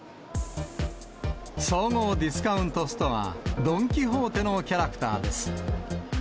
総合ディスカウントストア、ドン・キホーテのキャラクターです。